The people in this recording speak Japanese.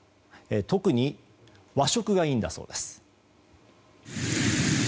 特に和食がいいんだそうです。